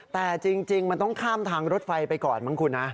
แต่จริงมันต้องข้ามทางรถไฟไปก่อนมั้งคุณนะ